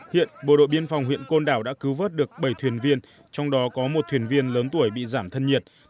hiện bộ đội biên phòng huyện côn đảo đã cứu vớt được bảy thuyền viên trong đó có một thuyền viên lớn tuổi bị giảm thân nhiệt